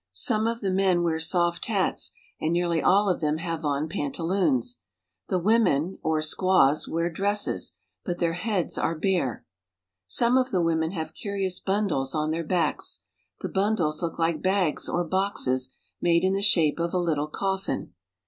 Someof the men wear soft hats, and nearly all of them have on pantaloons. The women, or squaws, wear dresses, but their heads are bare. Some of the women have curious bundles on their backs. The bundles look like bags, or boxes made in the shape of a little coffin.